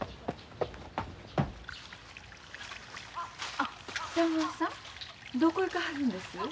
あ北川さんどこ行かはるんです？